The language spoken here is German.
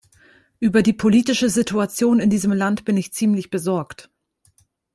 Über die politische Situation in diesem Land bin ich ziemlich besorgt.